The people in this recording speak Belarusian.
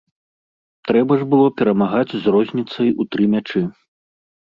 Трэба ж было перамагаць з розніцай у тры мячы.